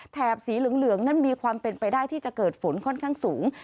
สีเหลืองนั้นมีความเป็นไปได้ที่จะเกิดฝนค่อนข้างสูง